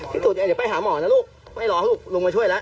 ที่สุดอ่าเดี๋ยวไปหาหมอนะลูกไม่ร้องลูกลุงมาช่วยแล้ว